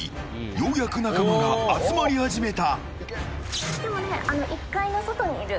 ようやく仲間が集まり始めた。